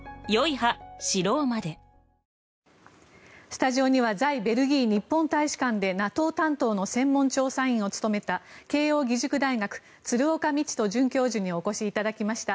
スタジオには在ベルギー日本大使館でＮＡＴＯ担当の専門調査員を務めた慶応義塾大学鶴岡路人准教授にお越しいただきました。